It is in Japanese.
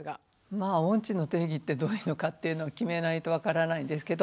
音痴の定義ってどういうのかっていうのを決めないと分からないんですけど。